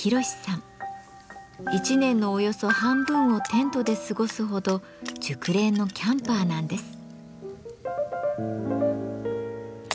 １年のおよそ半分をテントで過ごすほど熟練のキャンパーなんです。